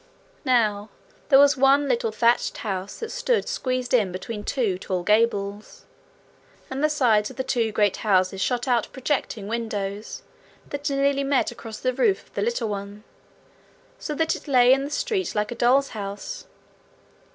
Now there was one little thatched house that stood squeezed in between two tall gables, and the sides of the two great houses shot out projecting windows that nearly met across the roof of the little one, so that it lay in the street like a doll's house.